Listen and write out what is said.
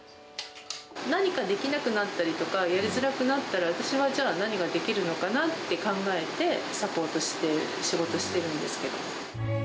何かできなくなったりとか、やりづらくなったら、私はじゃあ、何ができるのかなって考えて、サポートして仕事してるんですけど。